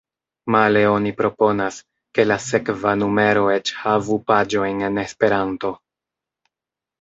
Male oni proponas, ke la sekva numero eĉ havu paĝojn en Esperanto.